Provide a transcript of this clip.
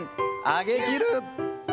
上げきる。